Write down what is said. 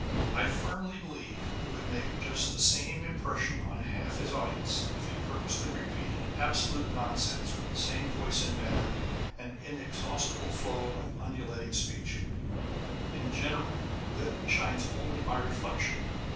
I firmly believe he would make just the same impression on half his audiences, if he purposely repeated absolute nonsense with the same voice and manner and inexhaustible flow of undulating speech ! In general, wit shines only by reflection.